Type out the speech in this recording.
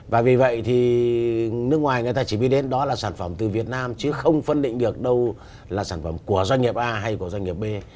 và vì vậy thì nước ngoài người ta chỉ biết đến đó là sản phẩm từ việt nam chứ không phân định được đâu là sản phẩm của doanh nghiệp a hay của doanh nghiệp b